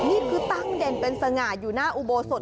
นี่คือตั้งเด่นเป็นสง่าอยู่หน้าอุโบสถ